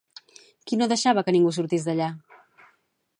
Qui no deixava que ningú sortís d'allà?